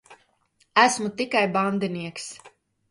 Esmu tikai bandinieks.